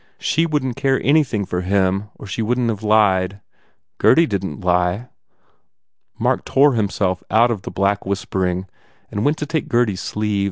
She couldn t care anything for him or she wouldn t have lied. Gurdy didn t lie. Mark tore himself out of the black whispering and went to take Gurdy s sleeve.